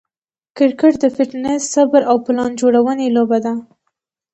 کرکټ د فټنس، صبر، او پلان جوړوني لوبه ده.